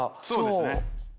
そうですね。